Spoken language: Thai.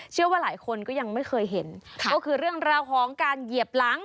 เชื่อว่าหลายคนก็ยังไม่เคยเห็นก็คือเรื่องราวของการเหยียบหลัง